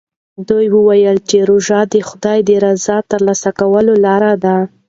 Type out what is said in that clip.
ده وویل چې روژه د خدای د رضا ترلاسه کولو لاره ده.